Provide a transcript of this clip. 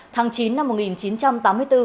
tháng chín năm một nghìn chín trăm tám mươi bốn